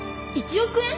１億円？